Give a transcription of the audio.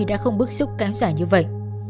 đã không bức xúc cám giả như vậy